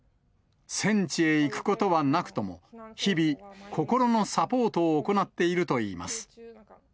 戦地へ行くことはなくとも、日々、心のサポートを行っているといいます。